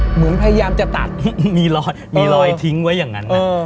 เหมือนพยายามจะตัดมีรอยมีรอยทิ้งไว้อย่างนั้นนะ